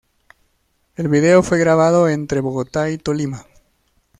El vídeo fue grabado entre Bogotá y Tolima.